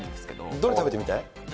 どれ食べてみたい？